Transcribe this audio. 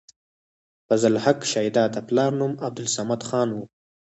فضل حق شېدا د پلار نوم عبدالصمد خان وۀ